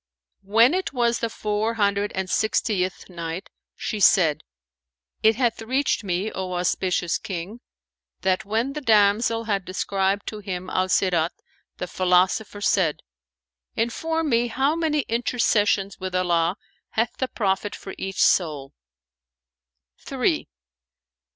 When it was the Four Hundred and Sixtieth Night, She said, It hath reached me, O auspicious King, that when the damsel had described to him Al Sirat, the philosopher said, "Inform me how many intercessions with Allah hath the Prophet for each soul?"[FN#447] "Three."